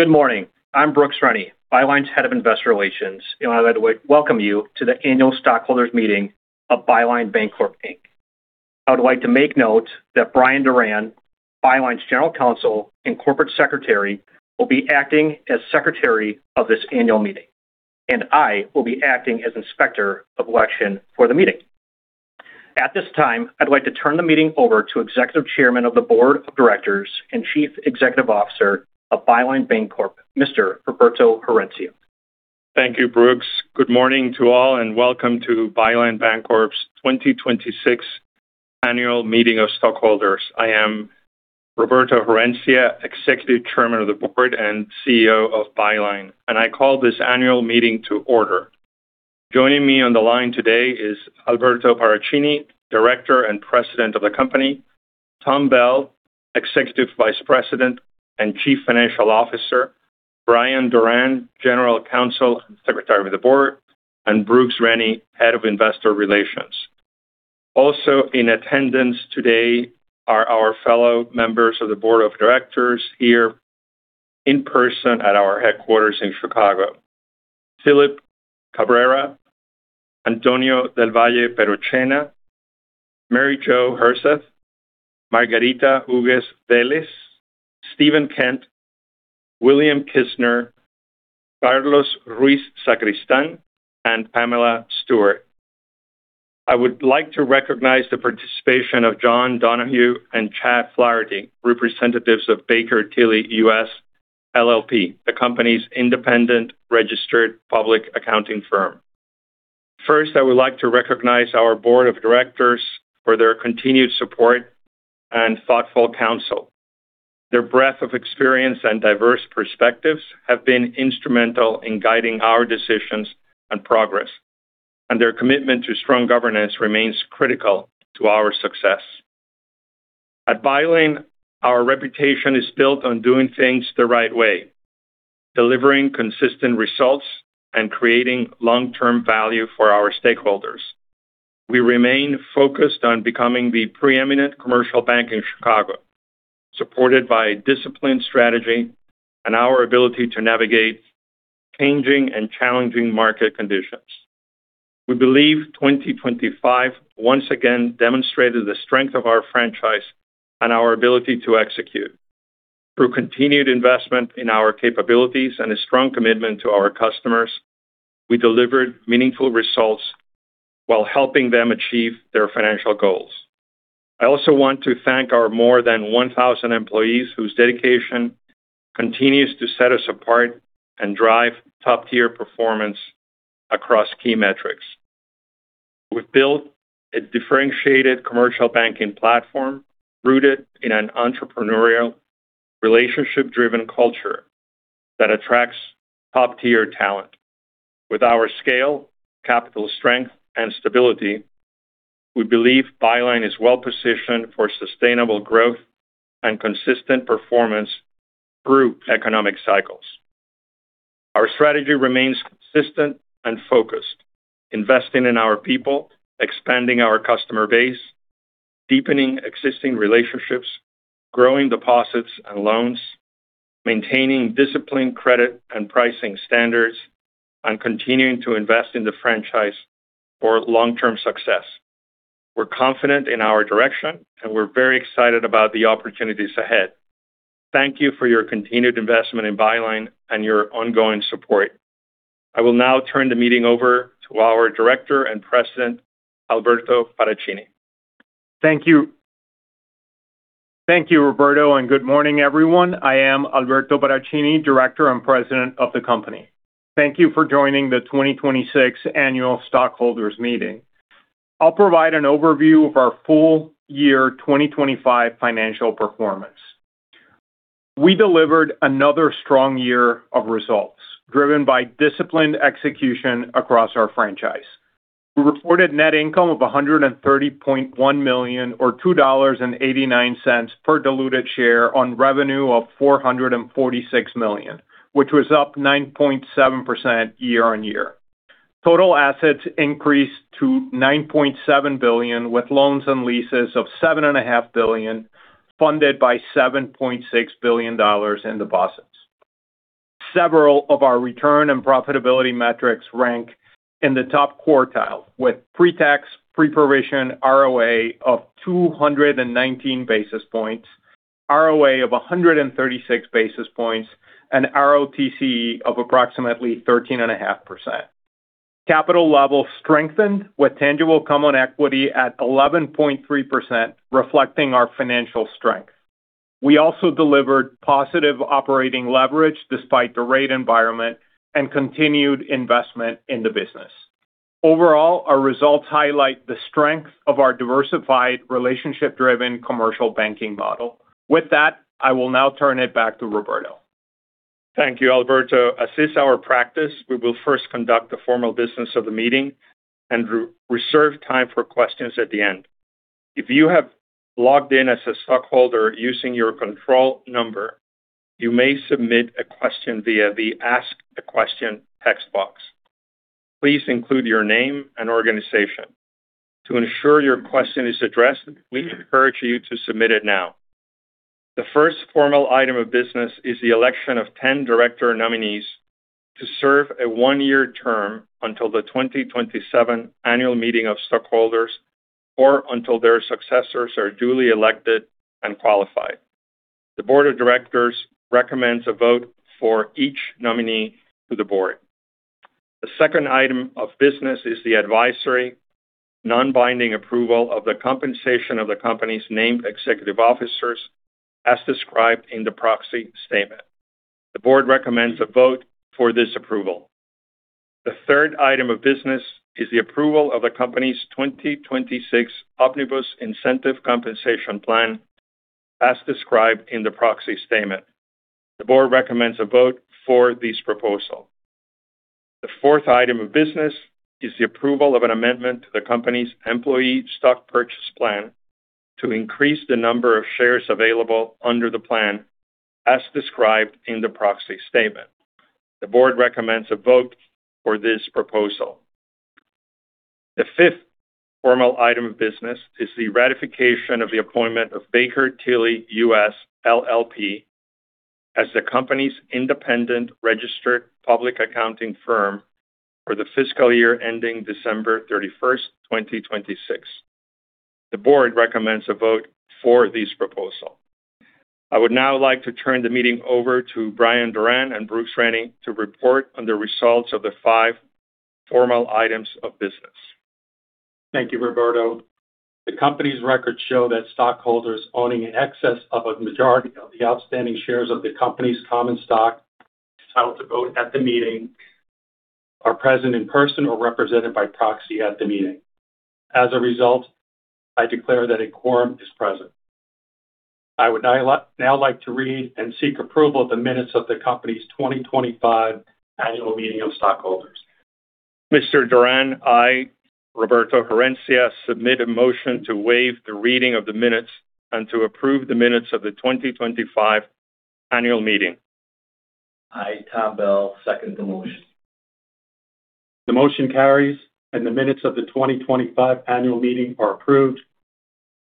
Good morning. I'm Brooks Rennie, Byline's Head of Investor Relations, and I'd like to welcome you to the annual stockholders meeting of Byline Bancorp, Inc. I would like to make note that Brian Doran, Byline's General Counsel and Corporate Secretary, will be acting as Secretary of this annual meeting, and I will be acting as Inspector of Election for the meeting. At this time, I'd like to turn the meeting over to Executive Chairman of the Board of Directors and Chief Executive Officer of Byline Bancorp, Mr. Roberto Herencia. Thank you, Brooks. Good morning to all, and welcome to Byline Bancorp's 2026 Annual Meeting of Stockholders. I am Roberto Herencia, Executive Chairman of the Board and CEO of Byline, and I call this annual meeting to order. Joining me on the line today is Alberto Paracchini, Director and President of the company, Tom Bell, Executive Vice President and Chief Financial Officer, Brian Doran, General Counsel and Secretary of the Board, and Brooks Rennie, Head of Investor Relations. Also in attendance today are our fellow members of the Board of Directors here in person at our headquarters in Chicago. Phillip Cabrera, Antonio del Valle Perochena, Mary Jo Herseth, Margarita Hugues Vélez, Steven Kent, William Kistner, Carlos Ruiz Sacristán, and Pamela Stewart. I would like to recognize the participation of John Donohue and Chad Flaherty, representatives of Baker Tilly US, LLP, the company's independent registered public accounting firm. First, I would like to recognize our Board of Directors for their continued support and thoughtful counsel. Their breadth of experience and diverse perspectives have been instrumental in guiding our decisions and progress, and their commitment to strong governance remains critical to our success. At Byline, our reputation is built on doing things the right way, delivering consistent results, and creating long-term value for our stakeholders. We remain focused on becoming the preeminent commercial bank in Chicago, supported by a disciplined strategy and our ability to navigate changing and challenging market conditions. We believe 2025 once again demonstrated the strength of our franchise and our ability to execute. Through continued investment in our capabilities and a strong commitment to our customers, we delivered meaningful results while helping them achieve their financial goals. I also want to thank our more than 1,000 employees whose dedication continues to set us apart and drive top-tier performance across key metrics. We've built a differentiated commercial banking platform rooted in an entrepreneurial, relationship-driven culture that attracts top-tier talent. With our scale, capital strength, and stability, we believe Byline is well-positioned for sustainable growth and consistent performance through economic cycles. Our strategy remains consistent and focused, investing in our people, expanding our customer base, deepening existing relationships, growing deposits and loans, maintaining disciplined credit and pricing standards, and continuing to invest in the franchise for long-term success. We're confident in our direction, and we're very excited about the opportunities ahead. Thank you for your continued investment in Byline and your ongoing support. I will now turn the meeting over to our Director and President, Alberto Paracchini. Thank you. Thank you, Roberto. Good morning, everyone. I am Alberto Paracchini, Director and President of the company. Thank you for joining the 2026 annual stockholders meeting. I'll provide an overview of our full year 2025 financial performance. We delivered another strong year of results, driven by disciplined execution across our franchise. We reported net income of $130.1 million or $2.89 per diluted share on revenue of $446 million, which was up 9.7% year-on-year. Total assets increased to $9.7 billion, with loans and leases of $7.5 billion, funded by $7.6 billion in deposits. Several of our return and profitability metrics rank in the top quartile, with pre-tax, pre-provision ROA of 219 basis points, ROA of 136 basis points, and ROTCE of approximately 13.5%. Capital level strengthened with tangible common equity at 11.3%, reflecting our financial strength. We also delivered positive operating leverage despite the rate environment and continued investment in the business. Overall, our results highlight the strength of our diversified, relationship-driven commercial banking model. With that, I will now turn it back to Roberto. Thank you, Alberto. As is our practice, we will first conduct the formal business of the meeting and reserve time for questions at the end. If you have logged in as a stockholder using your control number, you may submit a question via the Ask a Question text box. Please include your name and organization. To ensure your question is addressed, we encourage you to submit it now. The first formal item of business is the election of 10 director nominees to serve a one-year term until the 2027 annual meeting of stockholders, or until their successors are duly elected and qualified. The Board of Directors recommends a vote for each nominee to the board. The second item of business is the advisory, non-binding approval of the compensation of the company's named executive officers as described in the proxy statement. The Board recommends a vote for this approval. The third item of business is the approval of the company's 2026 Omnibus Incentive Compensation Plan as described in the proxy statement. The Board recommends a vote for this proposal. The fourth item of business is the approval of an amendment to the company's employee stock purchase plan to increase the number of shares available under the plan, as described in the proxy statement. The Board recommends a vote for this proposal. The fifth formal item of business is the ratification of the appointment of Baker Tilly US, LLP as the company's independent registered public accounting firm for the fiscal year ending December 31st, 2026. The Board recommends a vote for this proposal. I would now like to turn the meeting over to Brian Doran and Brooks Rennie to report on the results of the five formal items of business. Thank you, Roberto. The company's records show that stockholders owning an excess of a majority of the outstanding shares of the company's common stock entitled to vote at the meeting are present in person or represented by proxy at the meeting. As a result, I declare that a quorum is present. I would now like to read and seek approval of the minutes of the company's 2025 Annual Meeting of Stockholders. Mr. Doran, I, Roberto Herencia, submit a motion to waive the reading of the minutes and to approve the minutes of the 2025 annual meeting. I, Tom Bell, second the motion. The motion carries, and the minutes of the 2025 annual meeting are approved.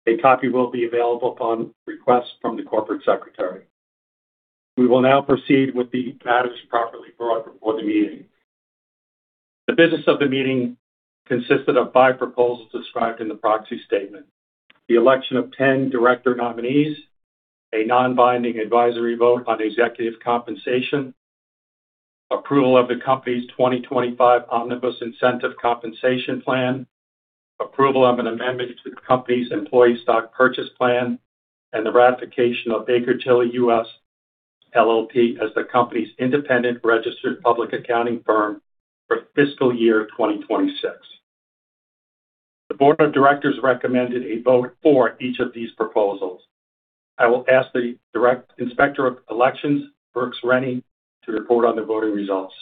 A copy will be available upon request from the Corporate Secretary. We will now proceed with the matters properly brought before the meeting. The business of the meeting consisted of five proposals described in the proxy statement. The election of 10 director nominees, a non-binding advisory vote on executive compensation, approval of the company's 2025 Omnibus Incentive Compensation Plan, approval of an amendment to the company's employee stock purchase plan, and the ratification of Baker Tilly US, LLP as the company's independent registered public accounting firm for fiscal year 2026. The Board of Directors recommended a vote for each of these proposals. I will ask the Inspector of Elections, Brooks Rennie, to report on the voting results.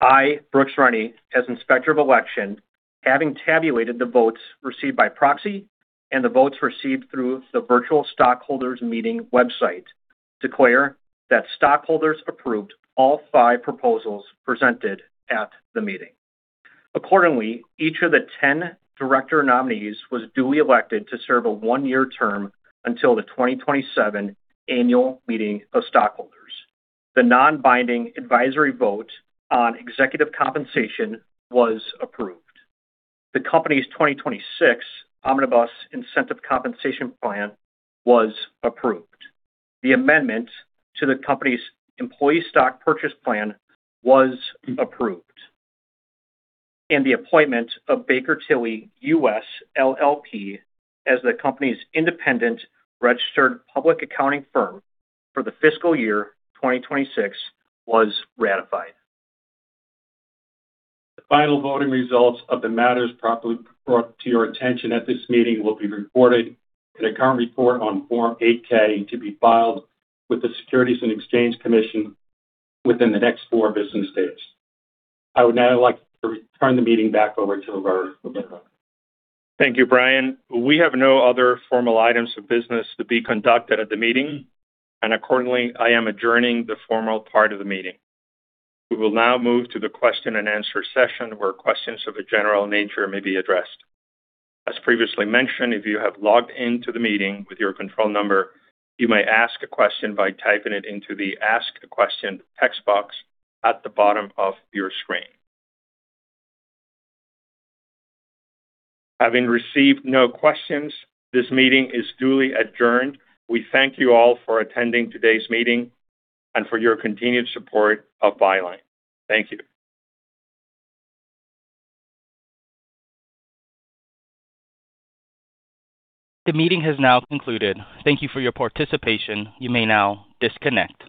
I, Brooks Rennie, as Inspector of Election, having tabulated the votes received by proxy and the votes received through the virtual stockholders meeting website, declare that stockholders approved all five proposals presented at the meeting. Accordingly, each of the 10 director nominees was duly elected to serve a one-year term until the 2027 annual meeting of stockholders. The non-binding advisory vote on executive compensation was approved. The company's 2026 Omnibus Incentive Compensation Plan was approved. The amendment to the company's employee stock purchase plan was approved, and the appointment of Baker Tilly US, LLP as the company's independent registered public accounting firm for the fiscal year 2026 was ratified. The final voting results of the matters properly brought to your attention at this meeting will be recorded in a current report on Form 8-K to be filed with the Securities and Exchange Commission within the next four business days. I would now like to turn the meeting back over to Roberto. Thank you, Brian. We have no other formal items of business to be conducted at the meeting, and accordingly, I am adjourning the formal part of the meeting. We will now move to the question-and-answer session where questions of a general nature may be addressed. As previously mentioned, if you have logged into the meeting with your control number, you may ask a question by typing it into the Ask a Question text box at the bottom of your screen. Having received no questions, this meeting is duly adjourned. We thank you all for attending today's meeting and for your continued support of Byline. Thank you. The meeting has now concluded. Thank you for your participation. You may now disconnect.